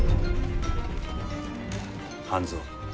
半蔵。